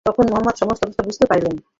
তখন মহম্মদ সমস্ত অবস্থা বুঝিতে পারিলেন।